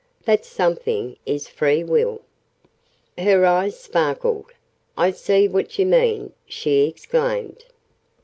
That 'something' is Free Will." Her eyes sparkled. "I see what you mean!" she exclaimed.